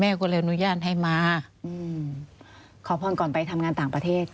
ก็เลยอนุญาตให้มาขอพรก่อนไปทำงานต่างประเทศ